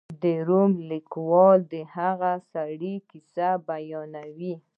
د روم لیکوال د هغه سړي کیسه بیانوي.